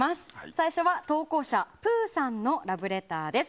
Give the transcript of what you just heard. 最初は、投稿者ぷぅさんのラブレターです。